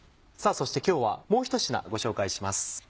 そして今日はもう１品ご紹介します。